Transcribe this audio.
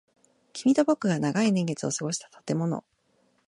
君と僕が長い年月を過ごした建物。